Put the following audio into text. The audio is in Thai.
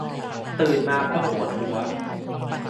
ตื่นมาเพราะปวดหัว